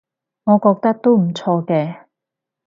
我覺得都唔錯嘅